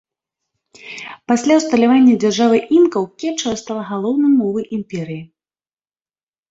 Пасля ўсталявання дзяржавы інкаў кечуа стала галоўнай мовай імперыі.